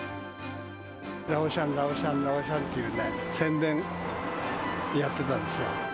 ラオシャン、ラオシャン、ラオシャンっていうね、宣伝やってたんですよ。